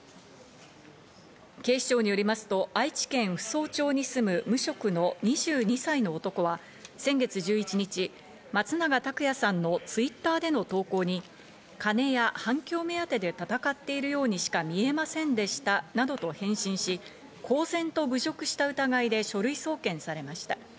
警視庁によりますと愛知県扶桑町に住む無職の２２歳の男は先月１１日、松永拓哉さんのＴｗｉｔｔｅｒでの投稿に金や反響目当てで闘っているようにしか見えませんでしたなどと返信し、公然と侮辱した疑いで書類送検されました。